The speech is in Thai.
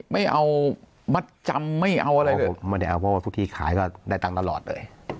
ไม่เอามัดจำไม่เอาอะไรตัวจะไม่เอาทุกที่ขายก็ได้ตันตลอดเลย